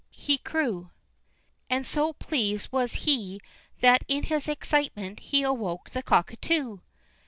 he crew, and so pleased was he that in his excitement he awoke the Cuckoo.